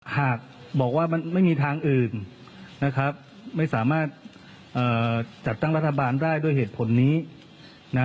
หากบอกว่ามันไม่มีทางอื่นนะครับไม่สามารถจัดตั้งรัฐบาลได้ด้วยเหตุผลนี้นะ